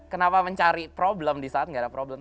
kenapa mencari problem disaat gak ada problem